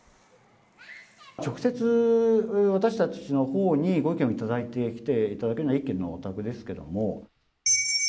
直接私たちのほうにご意見を頂いているのは、１軒のお宅ですけども。